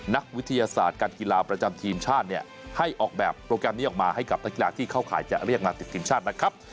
นักวิทยาศาสตร์การกีฬาประจำทีมชาติเนี่ยให้ออกแบบโปรแกรมนี้ออกมาให้กับนักกีฬาที่เข้าข่ายจะเรียกมาติดทีมชาตินะครับ